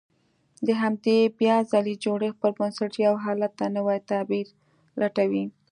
د همدې بيا ځلې جوړښت پر بنسټ يو حالت ته نوی تعبير لټوي.